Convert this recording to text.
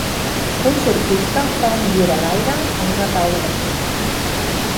Un surfista fa un gir a l'aire en una taula de surf.